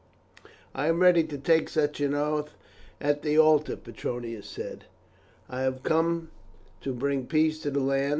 "I am ready to take such an oath at the altar," Petronius said. "I have come to bring peace to the land.